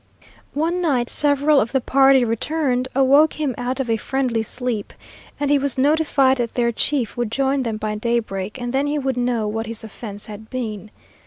One night several of the party returned, awoke him out of a friendly sleep, and he was notified that their chief would join them by daybreak, and then he would know what his offense had been.